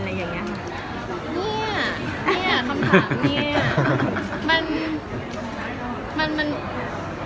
เนี่ยคำถามเนี่ย